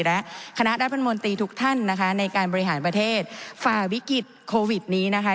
และคณะรัฐมนตรีทุกท่านนะคะในการบริหารประเทศฝ่าวิกฤตโควิดนี้นะคะ